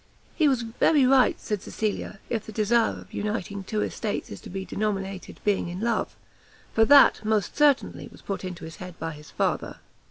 "He was very right," said Cecilia, "if the desire of uniting two estates is to be denominated being in love; for that, most certainly, was put into his head by his father."